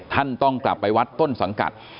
ท่านต้องกลับไปวัดต้นสังกัด